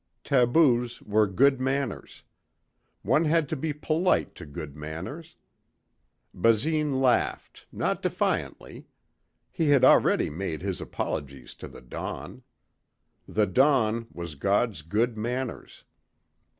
Taboos were good manners. One had to be polite to good manners. Basine laughed, not defiantly. He had already made his apologies to the dawn. The dawn was God's good manners.